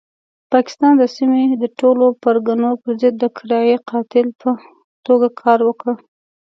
پاکستان د سیمې د ټولو پرګنو پرضد د کرایي قاتل په توګه کار وکړ.